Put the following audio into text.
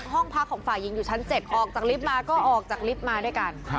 ห้องพักของฝ่ายหญิงอยู่ชั้น๗ออกจากลิฟต์มาก็ออกจากลิฟต์มาด้วยกัน